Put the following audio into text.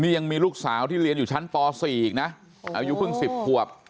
ยังมีลูกสาวที่เรียนอยู่ชั้นป๔อีกนะอายุเพิ่ง๑๐ขวบ